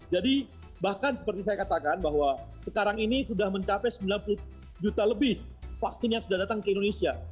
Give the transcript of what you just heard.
jadi bahkan seperti saya katakan bahwa sekarang ini sudah mencapai sembilan puluh juta lebih vaksin yang sudah datang ke indonesia